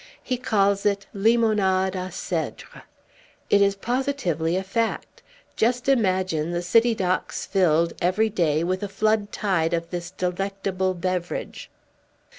He calls it limonade a cedre. It is positively a fact! Just imagine the city docks filled, every day, with a flood tide of this delectable beverage!"